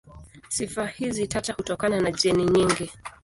Sifa hizi tata hutokana na jeni nyingi.